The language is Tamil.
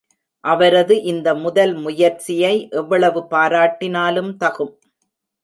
அவரது இந்த முதல் முயற்சியை எவ்வளவு பாராட்டினாலும் தகும்.